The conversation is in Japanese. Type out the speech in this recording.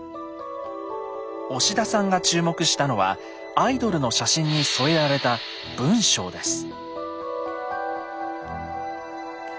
押田さんが注目したのはアイドルの写真にそえられた文章です。